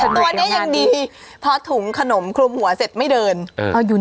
ตัวเนี้ยยังดีเพราะถุงขนมคลุมหัวเสร็จไม่เดินเอ่ออยู่นั้น